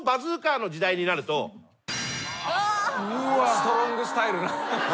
ストロングスタイル。